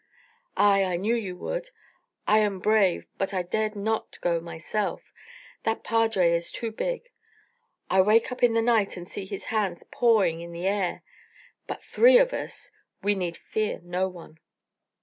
"Ay, I knew you would. I am brave, but I dared not go myself that padre is too big. I wake up in the night and see his hands pawing in the air. But three of us we need fear no one."